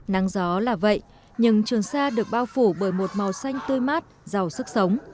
nắng gió là vậy nhưng trường sa được bao phủ bởi một màu xanh tươi mát giàu sức sống